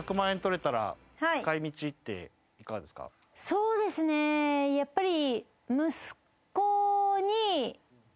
そうですねやっぱり。